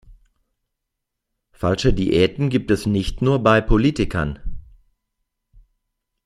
Falsche Diäten gibt es nicht nur bei Politikern.